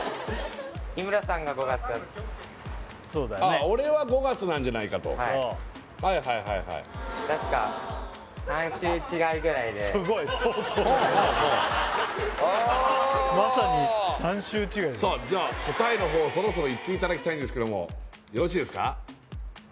ああ俺は５月なんじゃないかとはいはいはいはいはいああさあじゃあ答えの方そろそろいっていただきたいんですけどもよろしいですか？